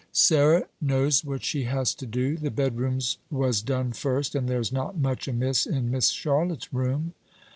"Sarah knows what she has to do. The bed rooms was done first; and there's not much amiss in Miss Charlotte's room."